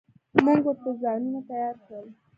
موږ ورته ځانونه تيار کړل.